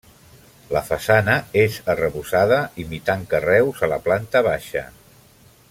La façana és arrebossada imitant carreus a la planta baixa.